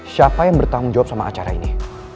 siapa yang bertanggung jawab sama acara ini